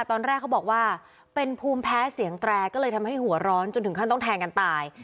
ตอนแรกเขาบอกว่าเป็นภูมิแพ้เสียงแตรก็เลยทำให้หัวร้อนจนถึงขั้นต้องแทงกันตาย